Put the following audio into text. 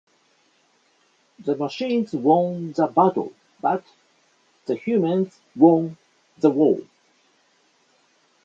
The machines won the battle but the humans won the war.